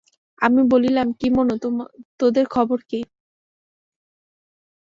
আমি বলিলাম, কী মনু, তোদের খবর কী?